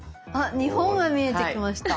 日本が見えてきました。